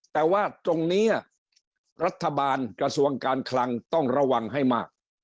แต่ว่าตรงนี้รัฐบาลกระทรวงการคลังต้องระวังให้มาก